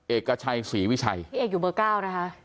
เอกชัยศรีวิชัยพี่เอกอยู่เบอร์๙นะคะ